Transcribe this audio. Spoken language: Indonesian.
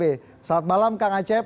selamat malam kang acep